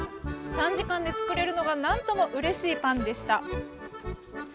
短時間で作れるのが何ともうれしいパンでした。